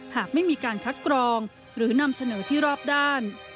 หากไม่มีการคัดกรองหรือนำเสนอที่รอบด้าน